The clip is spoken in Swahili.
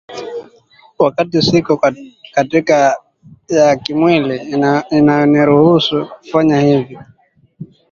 wakati siko katika hali ya kimwili inayoniruhusu kufanya hivyo